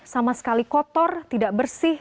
sama sekali kotor tidak bersih